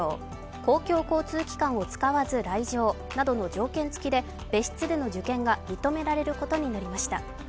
公共交通機関を使わず来場などの条件つきで別室での受験が認められることになりました。